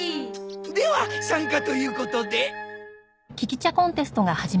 では参加ということで。